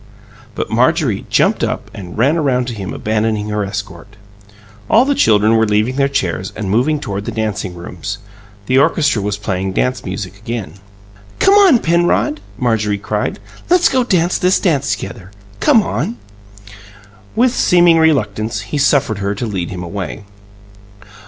But Marjorie jumped up and ran around to him abandoning her escort. All the children were leaving their chairs and moving toward the dancing rooms; the orchestra was playing dance music again. "Come on, Penrod!" Marjorie cried. "Let's go dance this together. Come on!" With seeming reluctance, he suffered her to lead him away.